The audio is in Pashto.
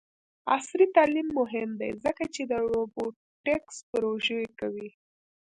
عصري تعلیم مهم دی ځکه چې د روبوټکس پروژې کوي.